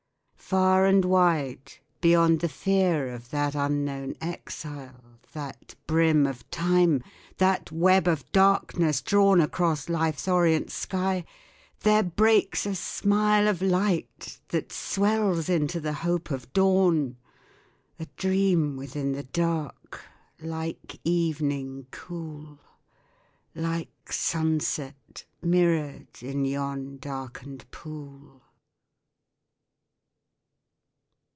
Far and wide, Beyond the fear of that unknown exile, That brim of Time, that web of darkness drawn Across Life's orient sky, there breaks a smile Of light that swells into the hope of dawn : A dream within the dark, like evening cool, Like sunset mirror'd in yon darken'd pool.